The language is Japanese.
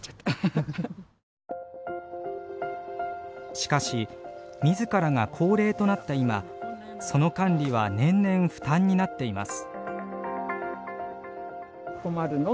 しかし自らが高齢となった今その管理は年々負担になっています。